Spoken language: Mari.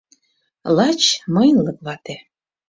Лач мыйынлык вате...